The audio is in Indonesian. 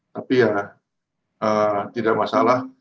tapi ya tidak masalah